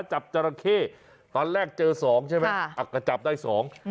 จราเข้ตอนแรกเจอสองใช่ไหมอ่ะก็จับได้สอง